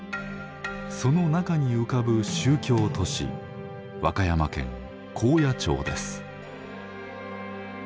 その中に浮かぶ宗教都市和歌山県高野町です。